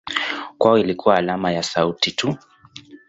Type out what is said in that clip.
Kwao ilikuwa alama ya sauti tu.